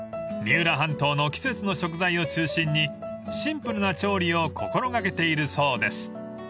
［三浦半島の季節の食材を中心にシンプルな調理を心掛けているそうです］